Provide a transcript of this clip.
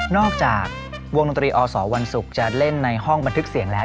อกจากวงดนตรีอสวันศุกร์จะเล่นในห้องบันทึกเสียงแล้ว